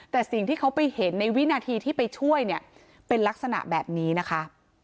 แต่สิ่งที่เขาไปเห็นในวินาทีที่ไปช่วยเนี่ยเป็นลักษณะแบบนี้นะคะ